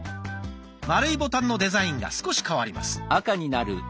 丸いボタンのデザインが少し変わります。